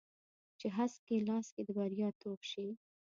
چې هسک یې لاس کې د بریا توغ شي